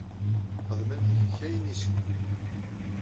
Xedmen deg-k ayen i ssnen.